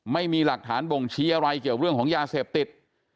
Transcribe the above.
ไม่มีหลักฐานบ่งชี้อะไรเกี่ยวเรื่องของยาเสพติด